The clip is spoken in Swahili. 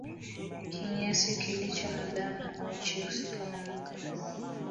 Kinyesi kilicho na damu au cheusi kama makaa